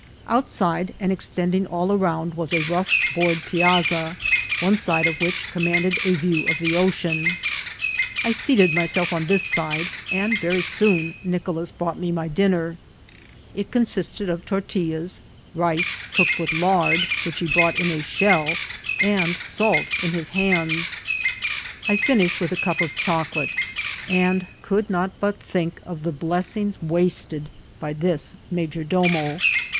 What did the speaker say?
Outside, and extending all aromid, was a rough board piassa, one side of which commanded a view of the ocean. I seated myself on this side, and ▼ery soon Nicolas brought me my dinner. It consisted of tortillas, rice cooked with lard, which he brought in a shell, and salt in his hands. I finished with a cup of chocolate, and could not but think of the blessings wasted by this major domo.